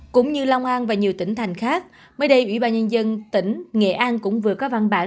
cũng như long an và nhiều tỉnh thành khác mới đây ủy ban nhân dân tỉnh nghệ an cũng vừa có văn bản